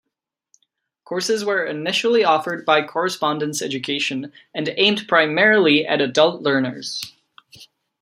Courses were initially offered by correspondence education, and aimed primarily at adult learners.